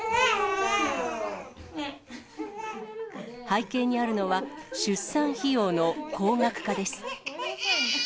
背景にあるのは、出産費用の高額化です。